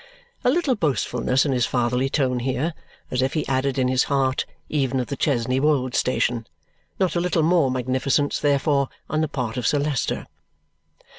A little boastfulness in his fatherly tone here, as if he added in his heart, "even of the Chesney Wold station." Not a little more magnificence, therefore, on the part of Sir Leicester.